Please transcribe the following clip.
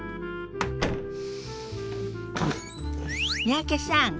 三宅さん